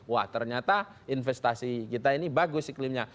wah ternyata investasi kita ini bagus iklimnya